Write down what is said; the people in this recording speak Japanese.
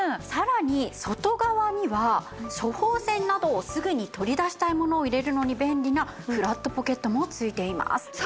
さらに外側には処方せんなどをすぐに取り出したいものを入れるのに便利なフラットポケットも付いています。